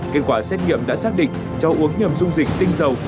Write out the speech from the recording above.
kết quả xét nghiệm đã xác định cháu uống nhầm dung dịch tinh dầu